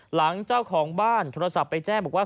หลังเจ้าของบ้านโทรศัพท์ไปแจ้งบอกว่า